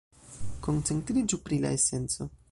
Koncentriĝu pri la esenco.